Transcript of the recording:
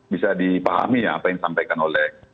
bisa dipahami ya apa yang disampaikan oleh